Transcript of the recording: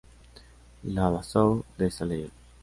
La Bazouge-des-Alleux